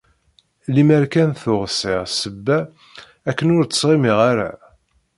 Lemmer kan tuɣ sεiɣ ssebba akken ur ttɣimiɣ ara.